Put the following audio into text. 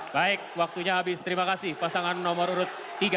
baik waktunya habis terima kasih pasangan nomor urut tiga